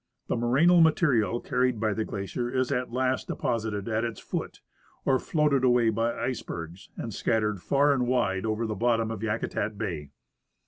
The morainal material carried by the glacier is at last deposited at its foot, or floated away by icebergs, and scattered far and Avide over the bottom of Yakutat bay.